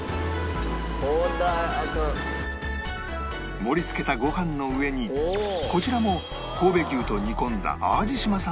盛り付けたご飯の上にこちらも神戸牛と煮込んだ淡路島産のタマネギ